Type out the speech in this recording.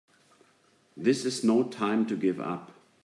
This is no time to give up!